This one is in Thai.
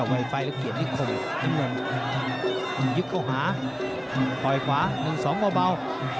ไวไฟแล้วเขียนที่คงยึกเข้าขวาคอยขวา๑๒เบา